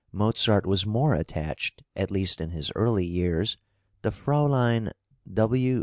Mozart was more attached, at least in his early years, to Fräulein W.